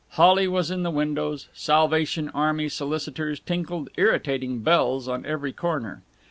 Holly was in the windows; Salvation Army solicitors tinkled irritating bells on every corner.